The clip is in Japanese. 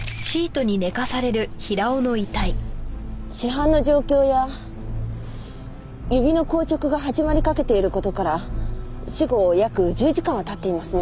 死斑の状況や指の硬直が始まりかけている事から死後約１０時間は経っていますね。